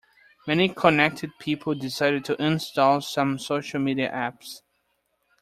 Many concerned people decided to uninstall some social media apps.